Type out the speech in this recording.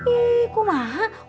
ih kok mah